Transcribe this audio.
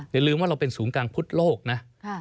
อย่าลืมว่าเราเป็นศูนย์กลางพุทธโลกนะ